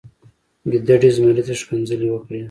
ګیدړې زمري ته ښکنځلې وکړې.